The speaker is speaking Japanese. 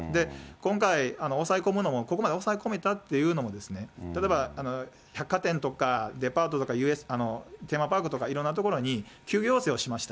今回、抑え込むのも、ここまで抑え込めたっていうのも、例えば、百貨店とかデパートとか、テーマパークとかいろんな所に、休業要請をしました。